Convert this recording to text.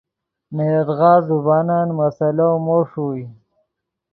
نے یدغا زبانن مسئلو مو ݰوئے